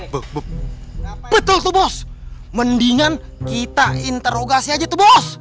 betul betul bos mendingan kita interogasi aja tuh bos